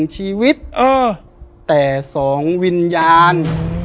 ๑ชีวิตแต่๒วิญญาณ